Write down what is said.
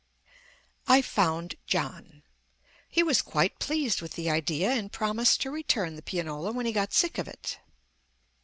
I found John. He was quite pleased with the idea, and promised to return the pianola when he got sick of it.